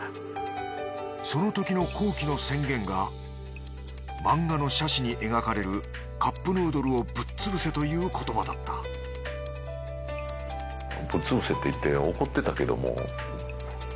そのときの宏基の宣言が漫画の社史に描かれる「カップヌードルをぶっつぶせ！」という言葉だったアハハハハハ！